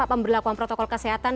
pemberlakuan protokol kesehatan